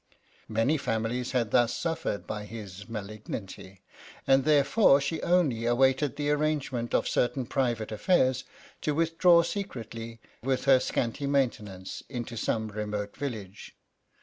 Many families had thus suffered by his malignity, and therefore she only awaited the arrange ment of certain private affairs to withdraw secretly, with her scanty maintenance, into some remote village.